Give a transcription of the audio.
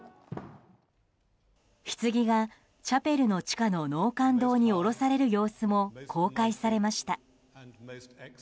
ひつぎが、チャペルの地下の納棺堂に下ろされる様子も公開されました。